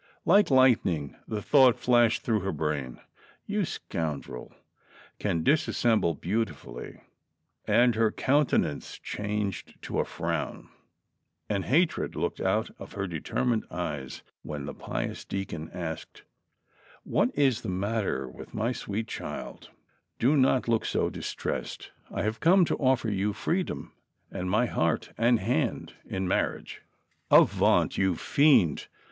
Like lightning the thought flashed through her brain : "You scoundrel, can dissemble beautifully "— and her countenance changed to a fro^\'n, and hatred looked out of her determined eyes, when the pious deacon asked :" What is the matter with my sw^eet child V Do not look so distressed, I have come to offer you freedom and my heart and hand in marriage." "Avaunt ! you fiend